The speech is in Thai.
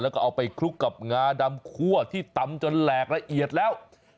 แล้วก็เอาไปคลุกกับงาดำคั่วที่ตำจนแหลกละเอียดแล้ว